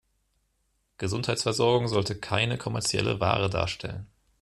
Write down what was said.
Gesundheitsversorgung sollte keine kommerzielle Ware darstellen.